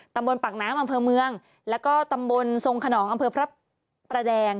ตำบลปากน้ำอำเภอเมืองแล้วก็ตำบลทรงขนองอำเภอพระประแดง